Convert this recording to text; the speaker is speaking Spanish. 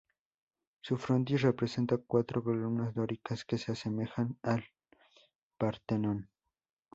Su frontis presenta cuatro columnas dóricas que se asemejan al Partenón.